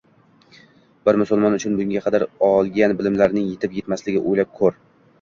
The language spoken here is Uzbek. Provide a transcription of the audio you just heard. Bir musulmon uchun bugunga qadar olgan bilimlaring yetib-etmasligini o'ylab ko'r.